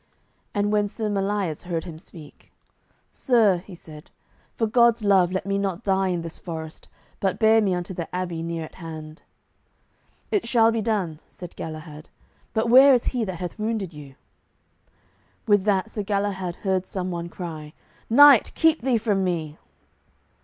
And when Sir Melias heard him speak, "Sir," he said, "for God's love let me not die in this forest, but bear me unto the abbey near at hand." "It shall be done," said Galahad, "but where is he that hath wounded you?" With that Sir Galahad heard some one cry, "Knight, keep thee from me!"